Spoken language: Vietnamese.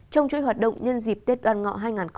trong chuỗi hoạt động nhân dịp tết đoàn ngọ hai nghìn hai mươi